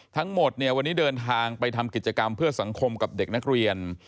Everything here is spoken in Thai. ทั้งหมดเนี่ยวันนี้เดินทางไปทำกิจกรรมเพื่อสังคมกับเด็กนักเรียน